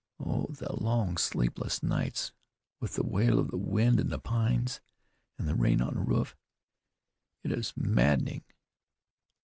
Oh, the long sleepless nights, with the wail of the wind in the pines, and the rain on the roof! It is maddening.